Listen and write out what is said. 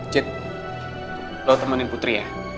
cit lo temenin putri ya